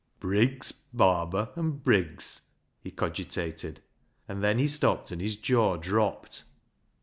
" Briggs, Barber, and Briggs," he cogitated, and then he stopped and his jaw dropped.